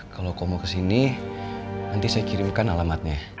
kalau kamu mau kesini nanti saya kirimkan alamatnya